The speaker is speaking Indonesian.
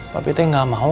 papi tuh gak mau